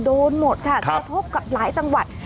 โดนหมดค่ะกระทบกับหลายจังหวัด